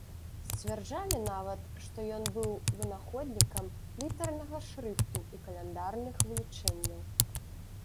Сцвярджалі нават, што ён быў вынаходнікам літарнага шрыфту і каляндарных вылічэнняў.